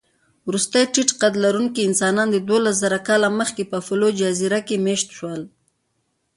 وروستي ټيټقدلرونکي انسانان دوولسزره کاله مخکې په فلور جزیره کې مېشته شول.